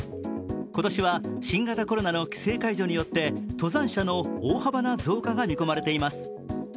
今年は新型コロナの規制解除によって登山者の大幅な増加が見込まれています。